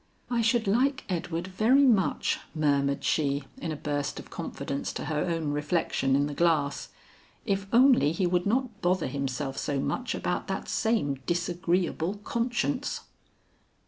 "I should like Edward very much," murmured she in a burst of confidence to her own reflection in the glass, "if only he would not bother himself so much about that same disagreeable conscience."